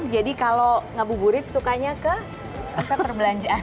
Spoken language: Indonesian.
jadi kalau ngabuburit sukanya ke pusat perbelanjaan